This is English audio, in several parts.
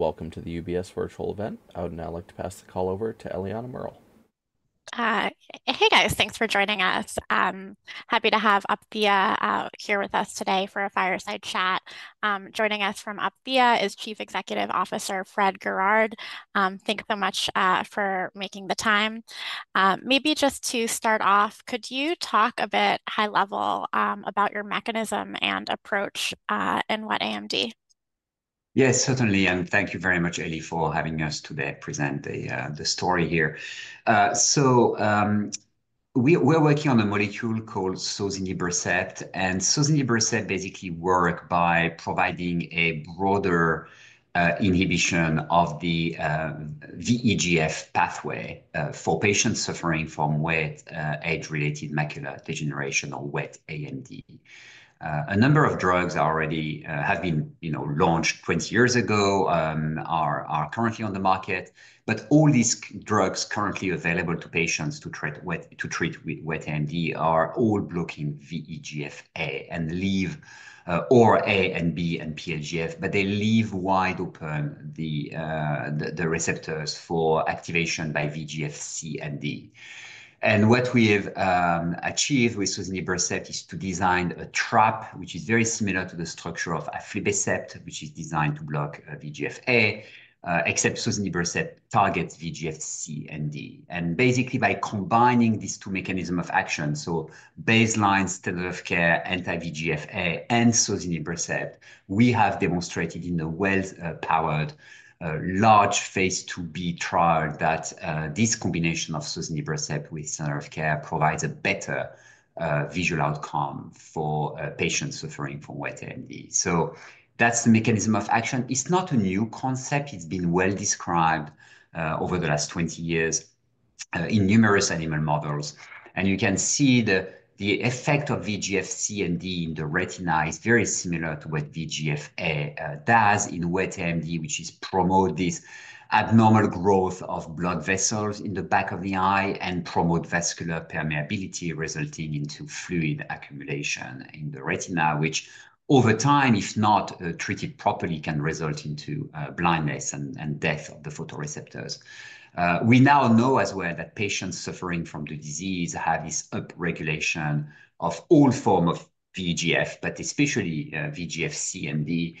Welcome to the UBS virtual event. I would now like to pass the call over to Eliana Merle. Hey, guys. Thanks for joining us. Happy to have Opthea out here with us today for a fireside chat. Joining us from Opthea is Chief Executive Officer Fréd Guerard. Thanks so much for making the time. Maybe just to start off, could you talk a bit high level about your mechanism and approach in wet AMD? Yes, certainly. And thank you very much, Eli, for having us today present the story here. So, we're working on a molecule called sozinibercept, and sozinibercept basically work by providing a broader inhibition of the VEGF pathway for patients suffering from wet age-related macular degeneration or wet AMD. A number of drugs already have been, you know, launched twenty years ago are currently on the market. But all these drugs currently available to patients to treat wet AMD are all blocking VEGF-A, VEGF-B and PlGF, but they leave wide open the receptors for activation by VEGF-C and VEGF-D. And what we have achieved with sozinibercept is to design a trap, which is very similar to the structure of aflibercept, which is designed to block VEGF-A, except sozinibercept targets VEGF-C and VEGF-D. And basically by combining these two mechanism of action, so baseline standard of care, anti-VEGF-A, and sozinibercept, we have demonstrated in a well powered large phase II-B trial that this combination of sozinibercept with standard of care provides a better visual outcome for patients suffering from wet AMD. So that's the mechanism of action. It's not a new concept. It's been well described over the last twenty years in numerous animal models, and you can see the effect of VEGF-C and VEGF-D in the retina is very similar to what VEGF-A does in wet AMD, which is promote this abnormal growth of blood vessels in the back of the eye and promote vascular permeability, resulting in fluid accumulation in the retina, which over time, if not treated properly, can result in blindness and death of the photoreceptors. We now know as well that patients suffering from the disease have this upregulation of all forms of VEGF, but especially VEGF-C and VEGF-D.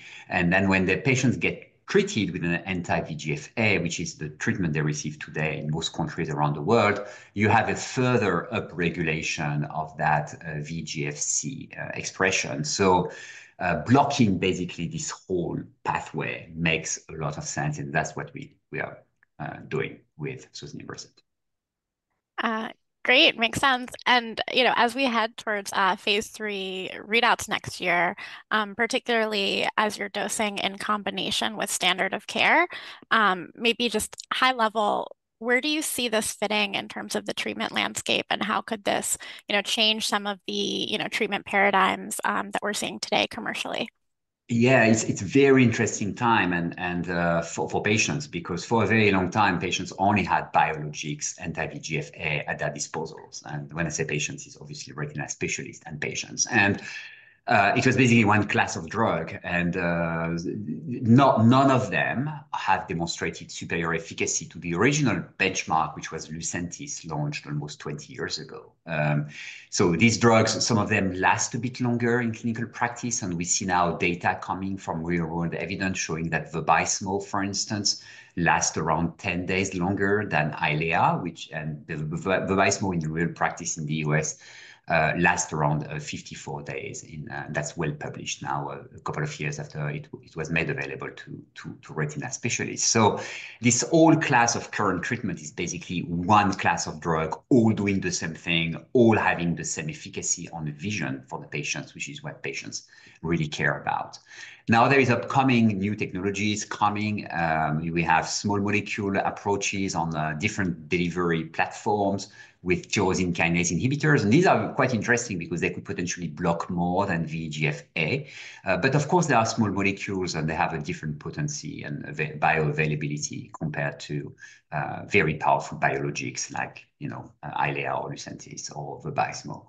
Then when the patients get treated with an anti-VEGF-A, which is the treatment they receive today in most countries around the world, you have a further upregulation of that VEGF-C expression. So, blocking, basically, this whole pathway makes a lot of sense, and that's what we are doing with sozinibercept. Great. Makes sense. And, you know, as we head towards phase III readouts next year, particularly as you're dosing in combination with standard of care, maybe just high level, where do you see this fitting in terms of the treatment landscape, and how could this, you know, change some of the, you know, treatment paradigms that we're seeing today commercially? Yeah, it's a very interesting time and for patients, because for a very long time, patients only had biologics, anti-VEGF-A at their disposals. And when I say patients, it's obviously retina specialists and patients. And it was basically one class of drug, and none of them have demonstrated superior efficacy to the original benchmark, which was Lucentis, launched almost 20 years ago. So these drugs, some of them last a bit longer in clinical practice, and we see now data coming from real-world evidence showing that Vabysmo, for instance, lasts around 10 days longer than Eylea, which and Vabysmo in the real practice in the U.S. lasts around 54 days in. That's well published now, a couple of years after it was made available to retina specialists. So this whole class of current treatment is basically one class of drug, all doing the same thing, all having the same efficacy on the vision for the patients, which is what patients really care about. Now, there is upcoming new technologies coming. We have small molecule approaches on, different delivery platforms with tyrosine kinase inhibitors, and these are quite interesting because they could potentially block more than VEGF-A. But of course, they are small molecules, and they have a different potency and bioavailability compared to, very powerful biologics like, you know, Eylea or Lucentis or Vabysmo.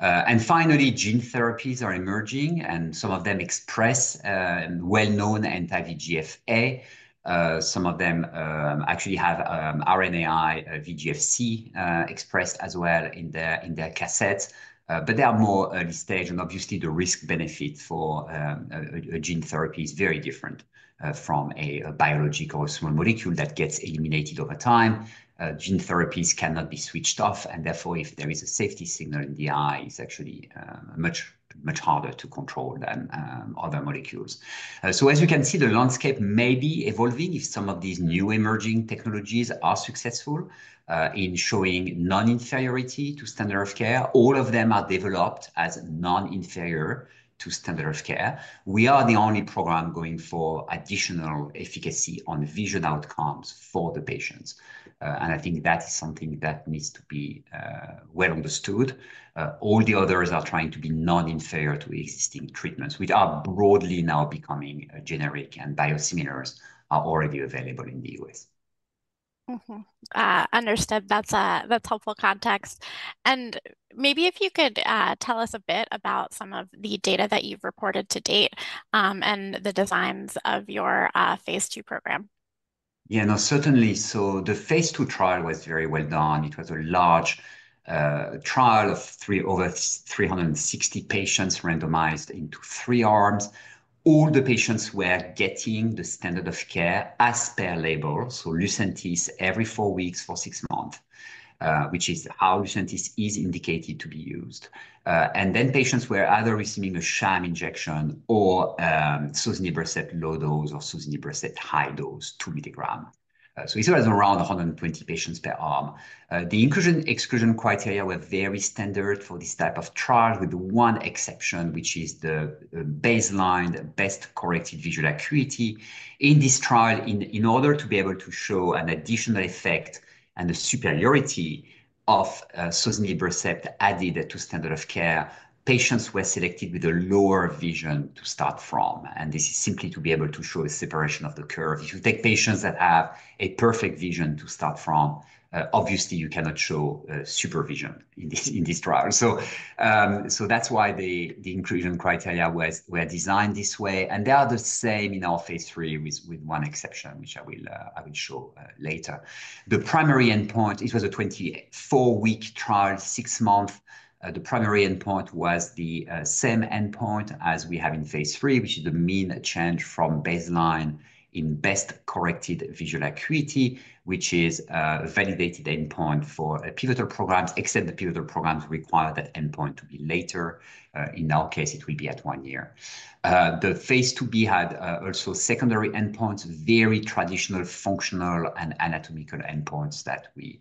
And finally, gene therapies are emerging, and some of them express, well-known anti-VEGF-A. Some of them, actually have, RNAi VEGF-C, expressed as well in their, in their cassettes, but they are more early stage. Obviously, the risk-benefit for a gene therapy is very different from a biological small molecule that gets eliminated over time. Gene therapies cannot be switched off, and therefore, if there is a safety signal in the eye, it's actually much harder to control than other molecules. As you can see, the landscape may be evolving if some of these new emerging technologies are successful in showing non-inferiority to standard of care. All of them are developed as non-inferior to standard of care. We are the only program going for additional efficacy on vision outcomes for the patients. I think that is something that needs to be well understood. All the others are trying to be non-inferior to existing treatments, which are broadly now becoming generic, and biosimilars are already available in the U.S.... Mm-hmm. Understood. That's helpful context, and maybe if you could tell us a bit about some of the data that you've reported to date, and the designs of your phase II program. Yeah, no, certainly so the phase II-B trial was very well done. It was a large trial of over three hundred and sixty patients randomized into three arms. All the patients were getting the standard of care as per label, so Lucentis every four weeks for six months, which is how Lucentis is indicated to be used, and then patients were either receiving a sham injection or sozinibercept low dose or sozinibercept high dose, 2 mg. So it was around a hundred and twenty patients per arm. The inclusion/exclusion criteria were very standard for this type of trial, with one exception, which is the baseline, the best-corrected visual acuity. In this trial, in order to be able to show an additional effect and the superiority of sozinibercept added to standard of care, patients were selected with a lower vision to start from, and this is simply to be able to show a separation of the curve. If you take patients that have a perfect vision to start from, obviously, you cannot show superior vision in this trial. That's why the inclusion criteria were designed this way, and they are the same in our phase III, with one exception, which I will show later. The primary endpoint, it was a 24-week trial, six-month. The primary endpoint was the same endpoint as we have in phase III, which is the mean change from baseline in best-corrected visual acuity, which is a validated endpoint for pivotal programs, except the pivotal programs require that endpoint to be later. In our case, it will be at one year. The phase II-B had also secondary endpoints, very traditional functional and anatomical endpoints that we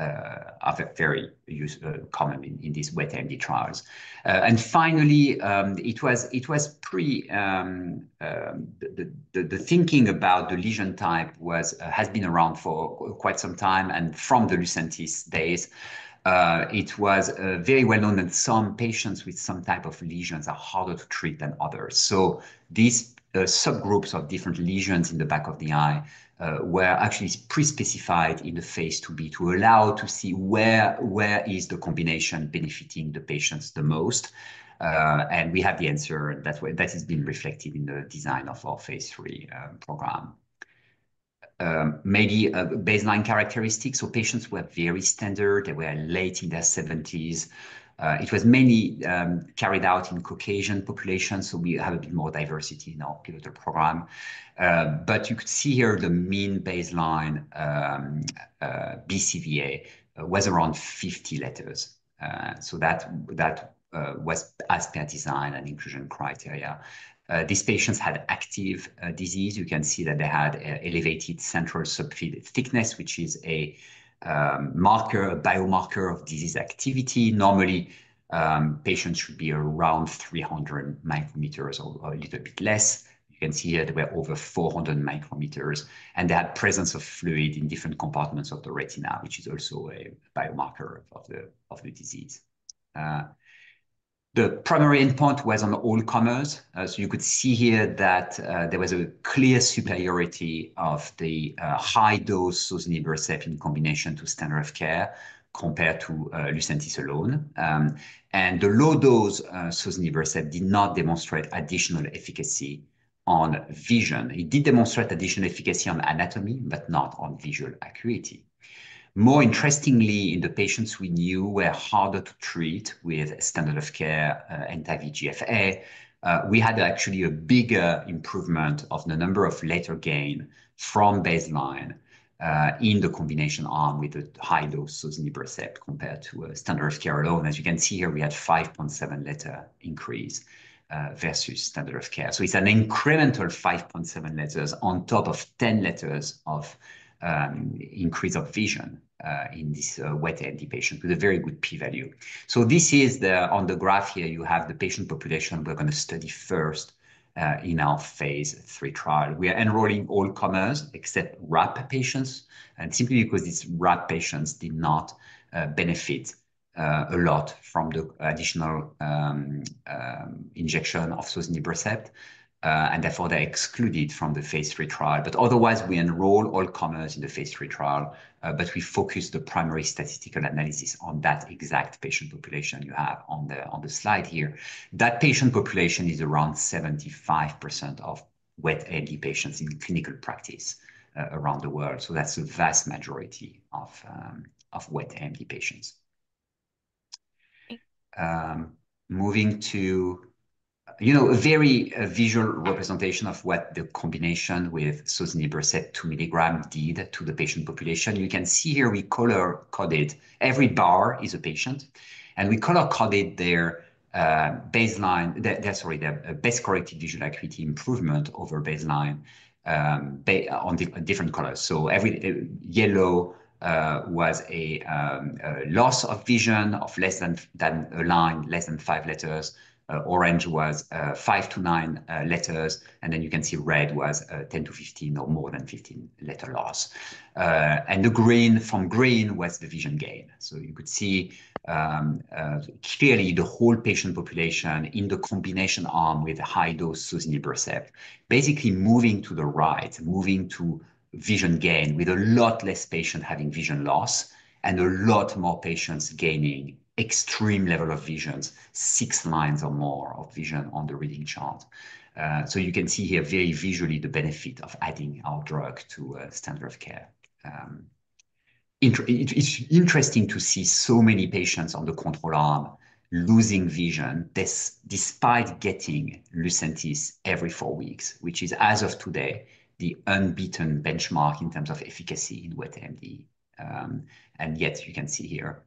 are very common in these wet AMD trials. And finally, it was. The thinking about the lesion type has been around for quite some time, and from the Lucentis days, it was very well known that some patients with some type of lesions are harder to treat than others. So these subgroups of different lesions in the back of the eye were actually pre-specified in the phase II-B to allow to see where is the combination benefiting the patients the most. And we have the answer, and that's why that has been reflected in the design of our phase III program. Maybe baseline characteristics, so patients were very standard. They were late in their seventies. It was mainly carried out in Caucasian population, so we have a bit more diversity in our pivotal program. But you could see here the mean baseline BCVA was around 50 letters. So that was as per design and inclusion criteria. These patients had active disease. You can see that they had elevated central subfield thickness, which is a marker, a biomarker of disease activity. Normally, patients should be around 300 micrometers or a little bit less. You can see here, they were over 400 micrometers, and they had presence of fluid in different compartments of the retina, which is also a biomarker of the disease. The primary endpoint was on all comers. So you could see here that there was a clear superiority of the high-dose sozinibercept in combination to standard of care compared to Lucentis alone, and the low-dose sozinibercept did not demonstrate additional efficacy on vision. It did demonstrate additional efficacy on anatomy, but not on visual acuity. More interestingly, in the patients we knew were harder to treat with standard of care, anti-VEGF-A, we had actually a bigger improvement of the number of letter gain from baseline, in the combination arm with a high dose sozinibercept compared to a standard of care alone. As you can see here, we had 5.7-letter increase versus standard of care. It's an incremental 5.7 letters on top of 10 letters of increase of vision in this wet AMD patient with a very good p-value. This is the on the graph here, you have the patient population we're going to study first in our phase III trial. We are enrolling all comers except RAP patients, and simply because these RAP patients did not benefit a lot from the additional injection of sozinibercept, and therefore, they're excluded from the phase III trial. But otherwise, we enroll all comers in the phase III trial, but we focus the primary statistical analysis on that exact patient population you have on the slide here. That patient population is around 75% of wet AMD patients in clinical practice around the world, so that's a vast majority of wet AMD patients. Moving to, you know, a very visual representation of what the combination with sozinibercept 2 mg did to the patient population. You can see here we color-coded. Every bar is a patient, and we color-coded their baseline best-corrected visual acuity improvement over baseline on different colors. So every yellow was a loss of vision of less than a line, less than five letters. Orange was five to nine letters, and then you can see red was ten to fifteen or more than fifteen letter loss. And the green, green was the vision gain. So you could see clearly the whole patient population in the combination arm with a high-dose sozinibercept, basically moving to the right, moving to vision gain, with a lot less patient having vision loss and a lot more patients gaining extreme level of visions, six lines or more of vision on the reading chart. So you can see here very visually the benefit of adding our drug to a standard of care. It's interesting to see so many patients on the control arm losing vision despite getting Lucentis every four weeks, which is, as of today, the unbeaten benchmark in terms of efficacy in wet AMD. And yet you can see here,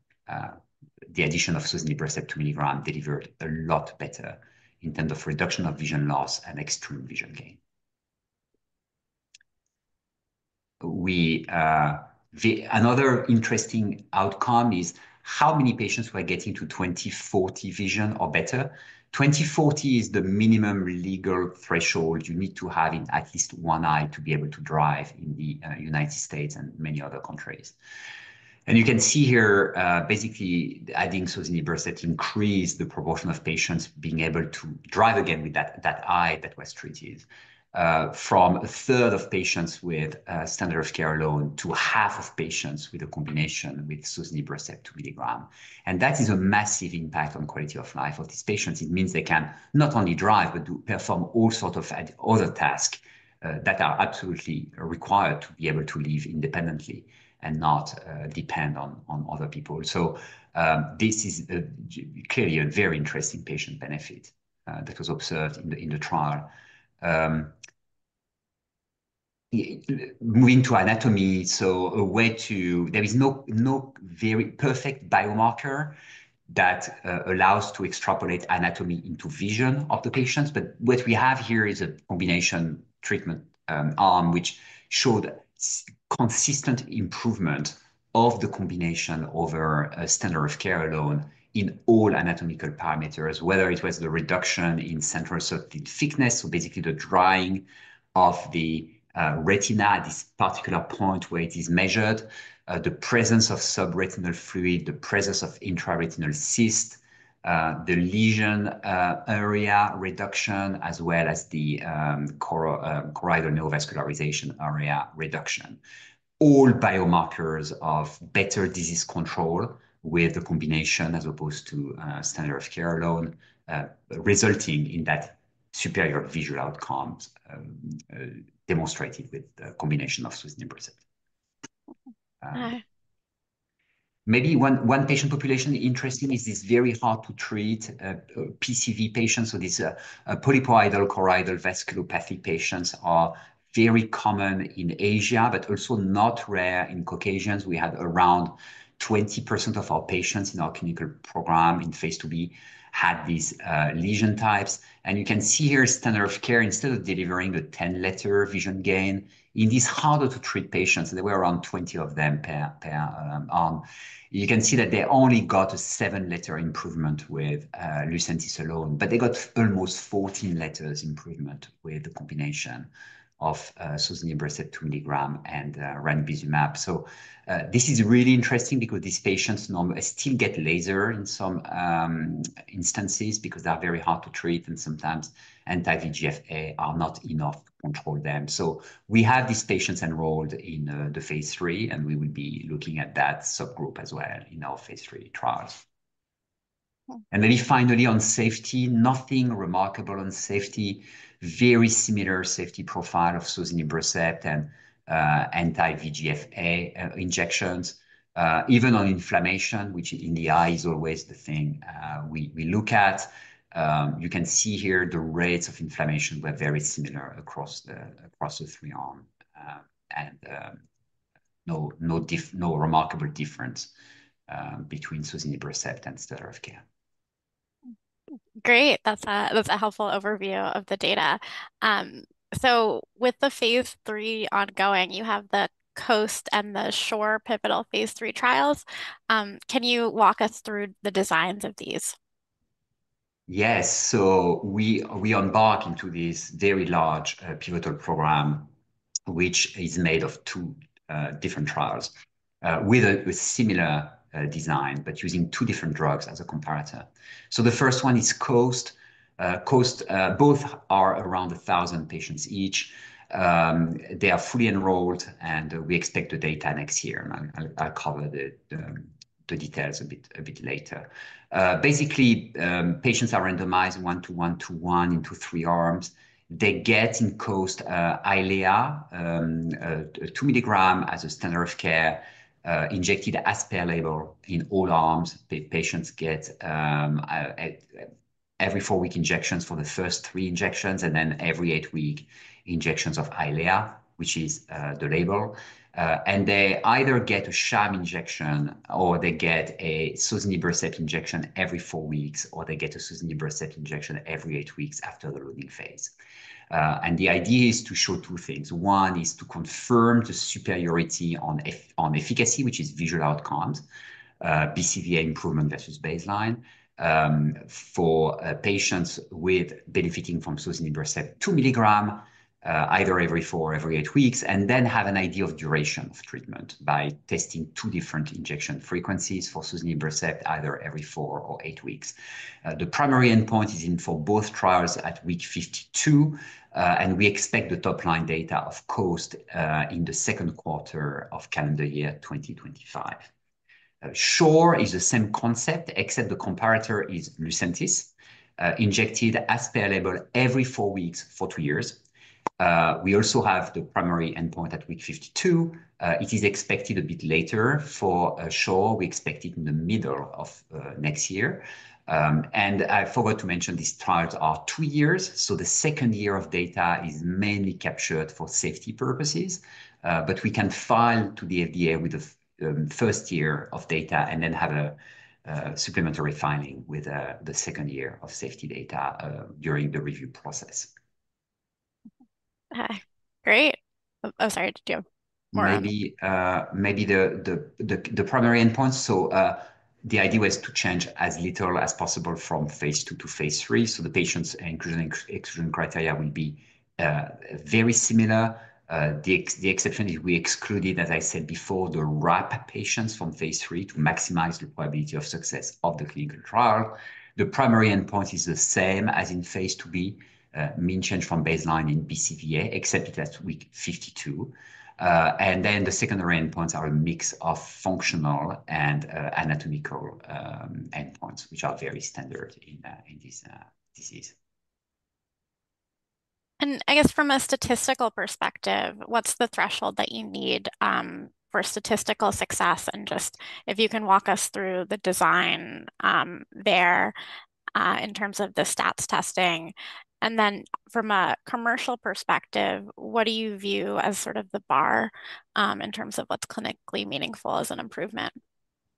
the addition of sozinibercept 2 mg delivered a lot better in terms of reduction of vision loss and extreme vision gain. Another interesting outcome is how many patients were getting to 20/40 vision or better. 20/40 is the minimum legal threshold you need to have in at least one eye to be able to drive in the United States and many other countries. You can see here, basically, adding sozinibercept increased the proportion of patients being able to drive again with that eye that was treated, from a third of patients with standard of care alone to half of patients with a combination with sozinibercept 2 mg. That is a massive impact on quality of life of these patients. It means they can not only drive, but to perform all sort of other tasks that are absolutely required to be able to live independently and not depend on other people. This is clearly a very interesting patient benefit that was observed in the trial. Moving to anatomy, there is no very perfect biomarker that allows to extrapolate anatomy into vision of the patients, but what we have here is a combination treatment arm, which showed consistent improvement of the combination over a standard of care alone in all anatomical parameters, whether it was the reduction in central thickness, so basically the drying of the retina at this particular point where it is measured, the presence of subretinal fluid, the presence of intraretinal cyst, the lesion area reduction, as well as the choroidal neovascularization area reduction. All biomarkers of better disease control with the combination as opposed to standard of care alone, resulting in that superior visual outcomes demonstrated with the combination of sozinibercept. Maybe one patient population interesting is this very hard to treat PCV patients, so these polypoidal choroidal vasculopathy patients are very common in Asia, but also not rare in Caucasians. We had around 20% of our patients in our clinical program in phase II-B had these lesion types. You can see here, standard of care, instead of delivering the 10-letter vision gain, in these harder-to-treat patients, there were around 20 of them per arm. You can see that they only got a 7-letter improvement with Lucentis alone, but they got almost 14 letters improvement with the combination of sozinibercept 2 milligram and ranibizumab. This is really interesting because these patients normally still get laser in some instances because they are very hard to treat, and sometimes anti-VEGF-A are not enough to control them. So we have these patients enrolled in the phase III, and we will be looking at that subgroup as well in our phase III trials. And then finally, on safety, nothing remarkable on safety. Very similar safety profile of sozinibercept and anti-VEGF-A injections, even on inflammation, which in the eye is always the thing we look at. You can see here the rates of inflammation were very similar across the three-arm, and no remarkable difference between sozinibercept and standard of care. Great. That's a, that's a helpful overview of the data. So with the phase III ongoing, you have the COAST and the ShORe pivotal phase III trials. Can you walk us through the designs of these? Yes. So we embark into this very large pivotal program, which is made of two different trials with similar design, but using two different drugs as a comparator. The first one is COAST. Both are around a thousand patients each. They are fully enrolled, and we expect the data next year. I'll cover the details a bit later. Basically, patients are randomized one to one to one into three arms. They get, in COAST, Eylea 2 mg as a standard of care injected as per label in all arms. The patients get every four-week injections for the first three injections, and then every eight-week injections of Eylea, which is the label. And they either get a sham injection, or they get a sozinibercept injection every four weeks, or they get a sozinibercept injection every eight weeks after the loading phase. And the idea is to show two things. One is to confirm the superiority on efficacy, which is visual outcomes, BCVA improvement versus baseline, for patients benefiting from sozinibercept 2 mg, either every four or every eight weeks, and then have an idea of duration of treatment by testing two different injection frequencies for sozinibercept, either every four or eight weeks. The primary endpoint is for both trials at week 52, and we expect the top-line data of COAST in the second quarter of calendar year 2025. ShORe is the same concept, except the comparator is Lucentis, injected as per label every four weeks for two years. We also have the primary endpoint at week 52. It is expected a bit later for ShORe. We expect it in the middle of next year, and I forgot to mention these trials are two years, so the second year of data is mainly captured for safety purposes, but we can file to the FDA with the first year of data and then have a supplementary filing with the second year of safety data during the review process. Great. I'm sorry, did you have more? Maybe the primary endpoint, so the idea was to change as little as possible from phase II to phase III, so the patients' inclusion and exclusion criteria will be very similar. The exception is we excluded, as I said before, the RAP patients from phase III to maximize the probability of success of the clinical trial. The primary endpoint is the same as in phase II-B, mean change from baseline in BCVA, except it's at week 52, and then the secondary endpoints are a mix of functional and anatomical endpoints, which are very standard in this disease. And I guess from a statistical perspective, what's the threshold that you need for statistical success? And just if you can walk us through the design there in terms of the stats testing. And then from a commercial perspective, what do you view as sort of the bar in terms of what's clinically meaningful as an improvement?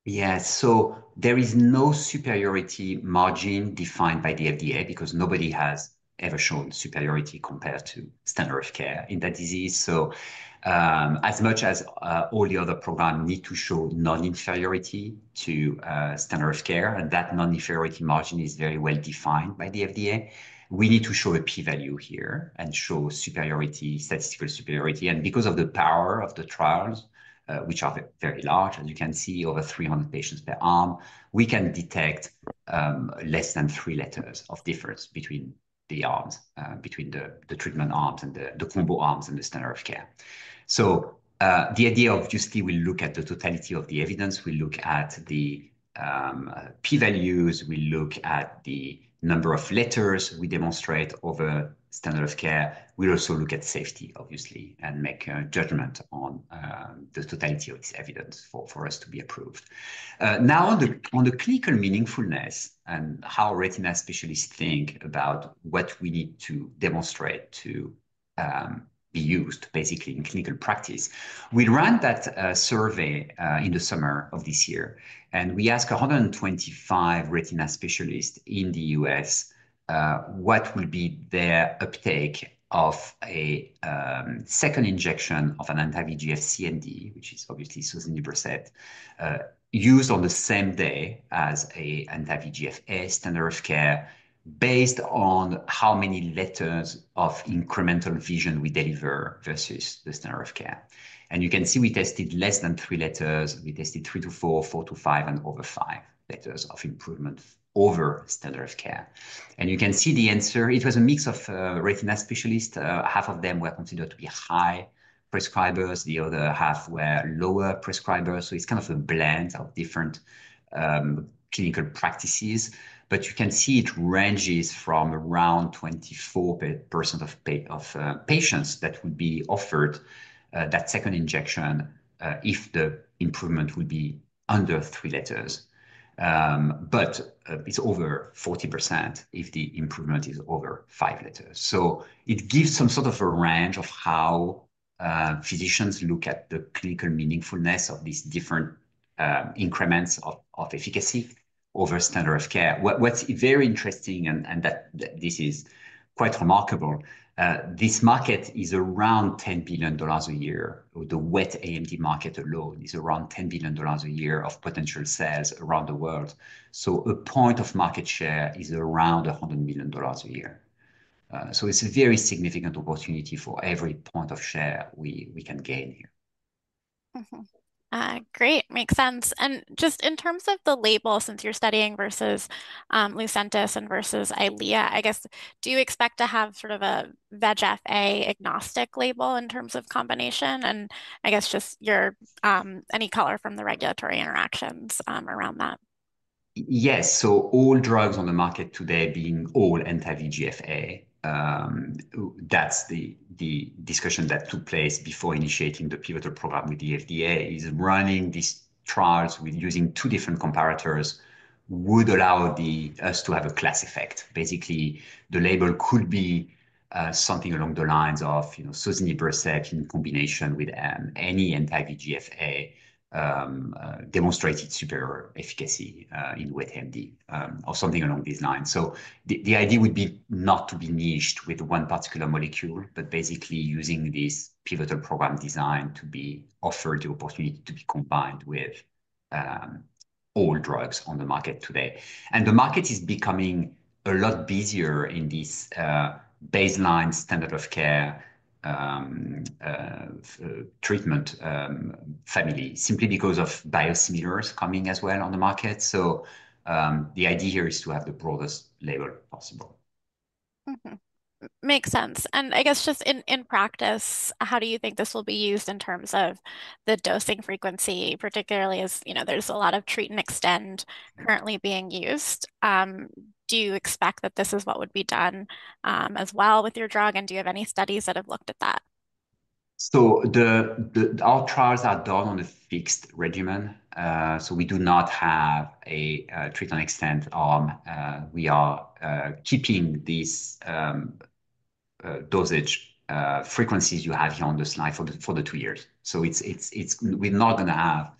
Yeah. There is no superiority margin defined by the FDA because nobody has ever shown superiority compared to standard of care in that disease. As much as all the other programs need to show non-inferiority to standard of care, and that non-inferiority margin is very well defined by the FDA, we need to show a p-value here and show superiority, statistical superiority. Because of the power of the trials, which are very large, as you can see, over 300 patients per arm, we can detect less than three letters of difference between the arms, between the treatment arms and the combo arms and the standard of care. So, the idea, obviously, we look at the totality of the evidence, we look at the p-values, we look at the number of letters we demonstrate over standard of care. We also look at safety, obviously, and make a judgment on the totality of this evidence for us to be approved. Now, on the clinical meaningfulness and how retina specialists think about what we need to demonstrate to be used basically in clinical practice, we ran that survey in the summer of this year, and we asked 125 retina specialists in the U.S., what would be their uptake of a second injection of an anti-VEGF-C and -D, which is obviously sozinibercept, used on the same day as an anti-VEGF-A standard of care, based on how many letters of incremental vision we deliver versus the standard of care. You can see we tested less than three letters. We tested three to four, four to five, and over five letters of improvement over standard of care. You can see the answer. It was a mix of retina specialists. Half of them were considered to be high prescribers, the other half were lower prescribers, so it's kind of a blend of different clinical practices. But you can see it ranges from around 24% of patients that would be offered that second injection if the improvement would be under 3 letters. But it's over 40% if the improvement is over 5 letters. So it gives some sort of a range of how physicians look at the clinical meaningfulness of these different increments of efficacy over standard of care. What's very interesting, and that this is quite remarkable, this market is around $10 billion a year. The wet AMD market alone is around $10 billion a year of potential sales around the world. A point of market share is around $100 million a year. So it's a very significant opportunity for every point of share we can gain here. Mm-hmm. Great, makes sense. And just in terms of the label, since you're studying versus Lucentis and versus Eylea, I guess, do you expect to have sort of a VEGF-A agnostic label in terms of combination? And I guess just your any color from the regulatory interactions around that. Yes. So all drugs on the market today being all anti-VEGF-A, that's the discussion that took place before initiating the pivotal program with the FDA, is running these trials with using two different comparators would allow us to have a class effect. Basically, the label could be something along the lines of, you know, sozinibercept in combination with any anti-VEGF-A demonstrated superior efficacy in wet AMD or something along these lines. So the idea would be not to be niched with one particular molecule, but basically using this pivotal program design to be offered the opportunity to be combined with all drugs on the market today. And the market is becoming a lot busier in this baseline standard of care treatment family, simply because of biosimilars coming as well on the market. The idea here is to have the broadest label possible.... Makes sense. And I guess just in practice, how do you think this will be used in terms of the dosing frequency, particularly as, you know, there's a lot of treat and extend currently being used? Do you expect that this is what would be done, as well with your drug, and do you have any studies that have looked at that? Our trials are done on a fixed regimen. We do not have a treat and extend arm. We are keeping these dosage frequencies you have here on this slide for the two years. We're not gonna have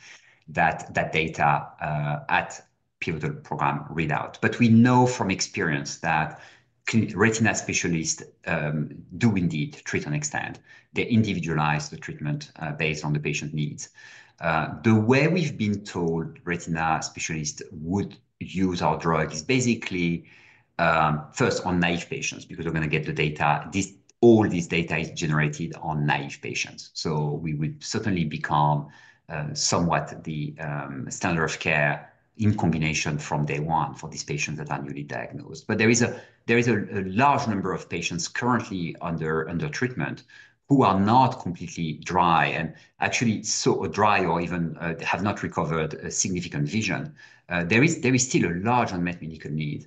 that data at pivotal program readout. But we know from experience that retina specialists do indeed treat and extend. They individualize the treatment based on the patient needs. The way we've been told retina specialists would use our drug is basically first on naive patients, because we're gonna get the data. All this data is generated on naive patients, so we would certainly become somewhat the standard of care in combination from day one for these patients that are newly diagnosed. But there is a large number of patients currently under treatment who are not completely dry, and actually so dry or even have not recovered a significant vision. There is still a large unmet medical need,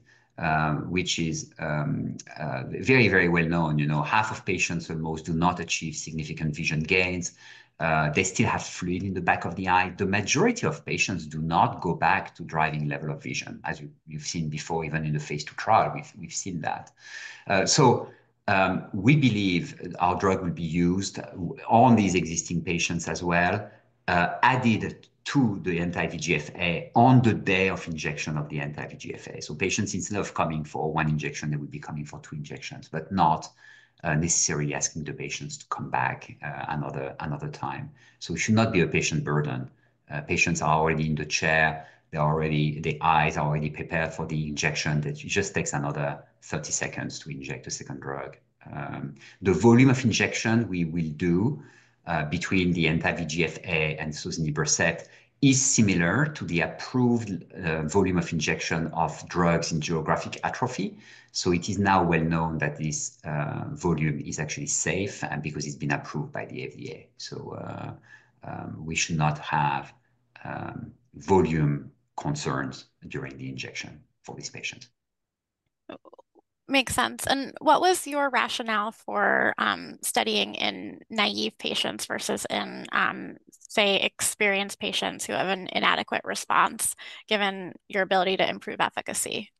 which is very, very well known. You know, half of patients or most do not achieve significant vision gains. They still have fluid in the back of the eye. The majority of patients do not go back to driving level of vision, as you've seen before, even in the phase II trial, we've seen that. So, we believe our drug will be used on these existing patients as well, added to the anti-VEGF-A on the day of injection of the anti-VEGF-A. Patients, instead of coming for one injection, they would be coming for two injections, but not necessarily asking the patients to come back another time. It should not be a patient burden. Patients are already in the chair. They're already... Their eyes are already prepared for the injection. That just takes another thirty seconds to inject a second drug. The volume of injection we will do between the anti-VEGF-A and sozinibercept is similar to the approved volume of injection of drugs in geographic atrophy. It is now well known that this volume is actually safe, and because it's been approved by the FDA. We should not have volume concerns during the injection for these patients. Makes sense. And what was your rationale for studying in naive patients versus in, say, experienced patients who have an inadequate response, given your ability to improve efficacy?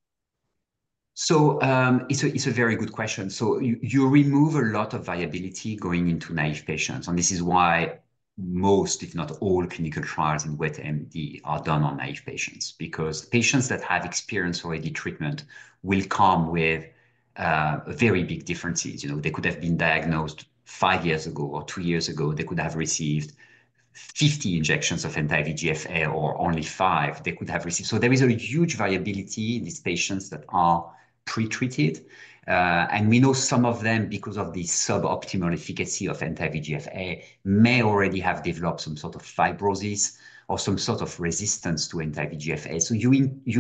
It's a very good question, so you remove a lot of variability going into naive patients, and this is why most, if not all, clinical trials in wet AMD are done on naive patients. Because patients that have experience already treatment will come with very big differences. You know, they could have been diagnosed five years ago or two years ago. They could have received fifty injections of anti-VEGF-A or only five, so there is a huge variability in these patients that are pre-treated, and we know some of them, because of the suboptimal efficacy of anti-VEGF-A, may already have developed some sort of fibrosis or some sort of resistance to anti-VEGF-A, so you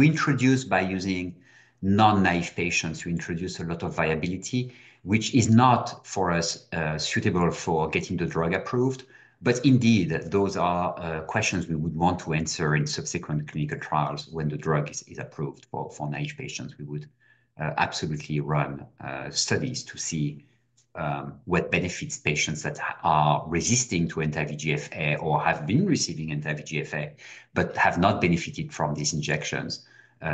introduce, by using non-naive patients, you introduce a lot of variability, which is not, for us, suitable for getting the drug approved. But indeed, those are questions we would want to answer in subsequent clinical trials when the drug is approved. For naive patients, we would absolutely run studies to see what benefits patients that are resisting to anti-VEGF-A or have been receiving anti-VEGF-A, but have not benefited from these injections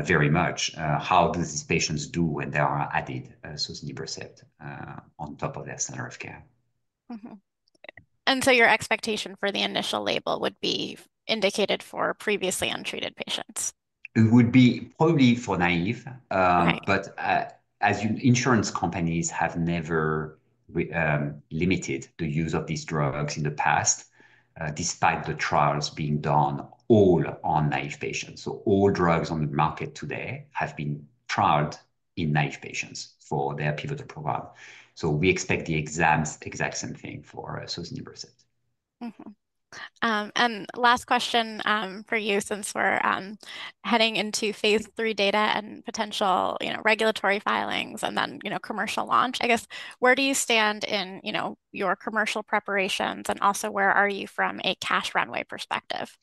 very much. How do these patients do when they are added sozinibercept on top of their standard of care? Mm-hmm. And so your expectation for the initial label would be indicated for previously untreated patients? It would be probably for naive. Right. But, as insurance companies have never limited the use of these drugs in the past, despite the trials being done all on naive patients. So all drugs on the market today have been trialed in naive patients for their pivotal profile. So we expect the exact same thing for sozinibercept. Mm-hmm. And last question, for you, since we're heading into phase III data and potential, you know, regulatory filings and then, you know, commercial launch, I guess, where do you stand in, you know, your commercial preparations, and also, where are you from a cash runway perspective?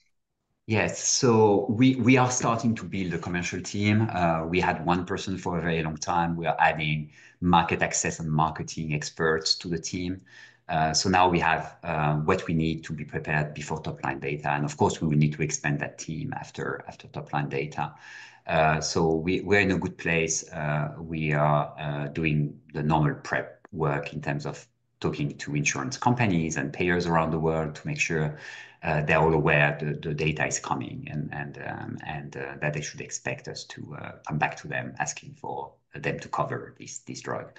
Yes. So we are starting to build a commercial team. We had one person for a very long time. We are adding market access and marketing experts to the team. So now we have what we need to be prepared before top-line data, and of course, we will need to expand that team after top-line data. So we're in a good place. We are doing the normal prep work in terms of talking to insurance companies and payers around the world to make sure they're all aware the data is coming, and that they should expect us to come back to them asking for them to cover this drug.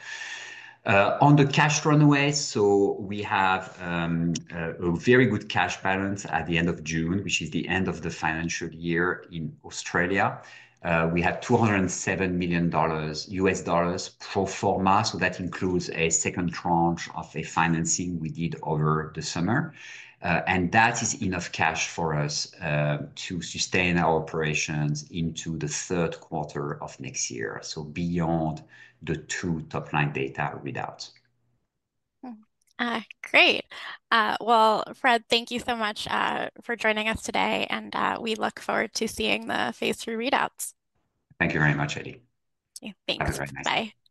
On the cash runway, so we have a very good cash balance at the end of June, which is the end of the financial year in Australia. We had $207 million US dollars pro forma, so that includes a second tranche of a financing we did over the summer. And that is enough cash for us to sustain our operations into the third quarter of next year, so beyond the two top-line data readouts. Great. Well, Fred, thank you so much for joining us today, and we look forward to seeing the phase III readouts. Thank you very much, Eli. Yeah. Thank you. Have a great night. Bye. Take care.